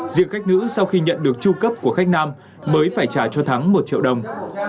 diệu khách nữ sau khi nhận được tru cấp của khách nam mới phải trả cho thắng một triệu đồng